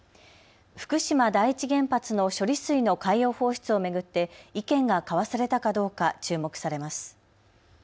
福島第一原発の処理水の海洋放出を巡って意見が交わされたかどうか注目されます。